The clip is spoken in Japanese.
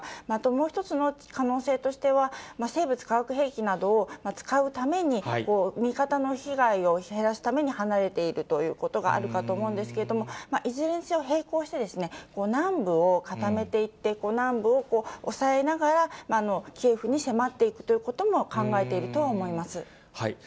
またもう一つの可能性としては、生物・化学兵器などを使うために、味方の被害を減らすために離れているということがあるかと思うんですけれども、いずれにせよ、並行して南部を固めていって、南部を押さえながら、キエフに迫っていくということも考えているとは思います。